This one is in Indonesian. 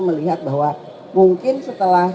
melihat bahwa mungkin setelah